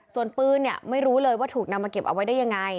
ส่วนปืนเนี่ยไม่รู้เลยว่าถูกนำมาเก็บเอาไว้ได้ยังไง